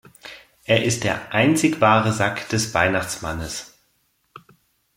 Er ist der „einzig wahre Sack des Weihnachtsmannes“.